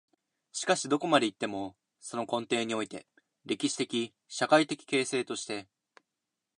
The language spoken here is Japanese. しかしどこまで行っても、その根底において、歴史的・社会的形成として、